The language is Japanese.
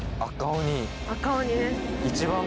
赤鬼です。